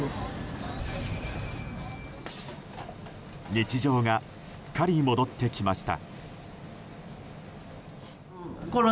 日常がすっかり戻ってきました。